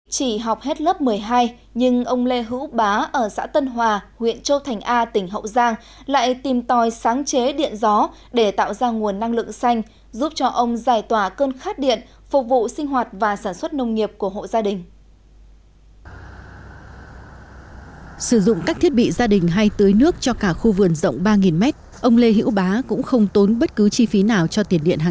chỉ học hết lớp một mươi hai nhưng ông lê hữu bá ở xã tân hòa huyện châu thành a tỉnh hậu giang lại tìm tòi sáng chế điện gió để tạo ra nguồn năng lượng xanh giúp cho ông giải tỏa cơn khát điện phục vụ sinh hoạt và sản xuất nông nghiệp của hộ gia đình